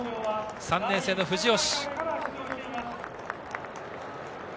３年生の藤吉。